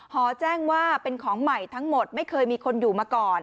หอแจ้งว่าเป็นของใหม่ทั้งหมดไม่เคยมีคนอยู่มาก่อน